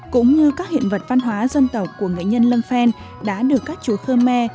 cũng như các hiện vật văn hóa dân tộc của nghệ nhân lâm phen đã được các chúa khơ me